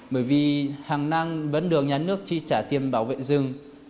bởi vì hàng năng vấn đường nhà nước chi trả tiền bảo vệ rừng